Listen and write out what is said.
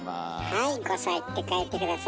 はい「５さい」って書いて下さい。